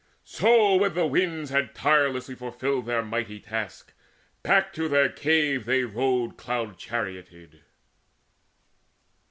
So when the winds Had tirelessly fulfilled their mighty task, Back to their cave they rode cloud charioted.